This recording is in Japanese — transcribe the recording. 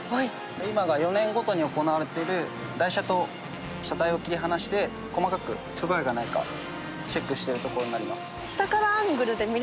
今が４年ごとに行われている台車と車体を切り離して細かく不具合がないかチェックしているところになります。